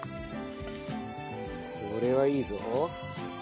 これはいいぞ。